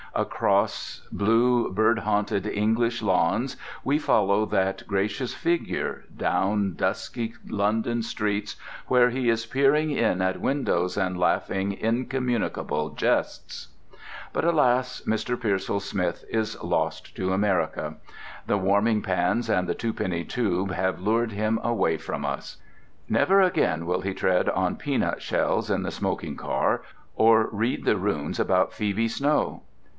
Across blue bird haunted English lawns we follow that gracious figure, down dusky London streets where he is peering in at windows and laughing incommunicable jests. But alas, Mr. Pearsall Smith is lost to America. The warming pans and the twopenny tube have lured him away from us. Never again will he tread on peanut shells in the smoking car or read the runes about Phoebe Snow.